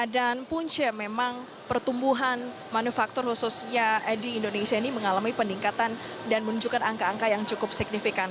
dan punca memang pertumbuhan manufaktur khususnya di indonesia ini mengalami peningkatan dan menunjukkan angka angka yang cukup signifikan